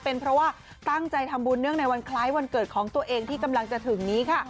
เป็นเพราะว่าตั้งใจทำบุญเนื่องในวันคล้ายวันเกิดของตัวเองที่กำลังจะถึงนี้ค่ะ